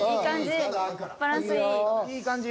いい感じ。